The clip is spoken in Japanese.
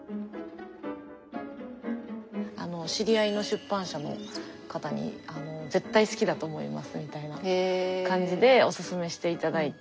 知り合いの出版社の方に絶対好きだと思いますみたいな感じでおすすめして頂いて。